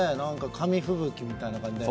紙吹雪みたいな感じで。